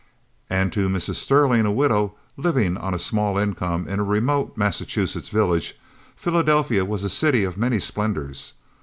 And to Mrs. Sterling, a widow, living on a small income in a remote Massachusetts village, Philadelphia was a city of many splendors.